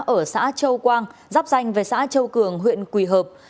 ở xã châu quang giáp danh về xã châu cường huyện quỳ hợp